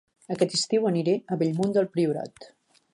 Aquest estiu aniré a Bellmunt del Priorat